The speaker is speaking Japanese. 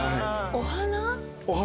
お花？